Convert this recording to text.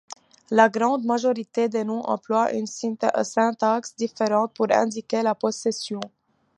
La grande majorité des noms emploient une syntaxe différente pour indiquer la possession.